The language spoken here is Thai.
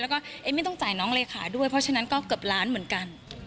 แล้วก็เอมมี่ต้องจ่ายน้องเลขาด้วยเพราะฉะนั้นก็เกือบล้านเหมือนกัน